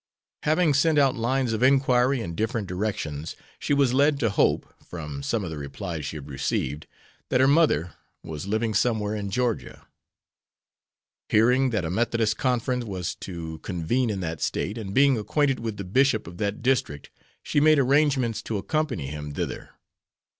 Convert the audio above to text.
Having sent out lines of inquiry in different directions, she was led to hope, from some of the replies she had received, that her mother was living somewhere in Georgia. Hearing that a Methodist conference was to convene in that State, and being acquainted with the bishop of that district, she made arrangements to accompany him thither.